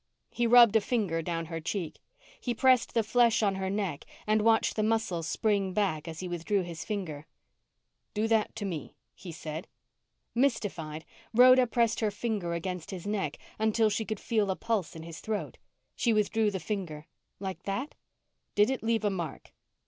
He rubbed a finger down her cheek. He pressed the flesh on her neck and watched the muscle spring back as he withdrew his finger. "Do that to me," he said. Mystified, Rhoda pressed her finger against his neck until she could feel a pulse in his throat. She withdrew the finger. "Like that?" "Did it leave a mark?"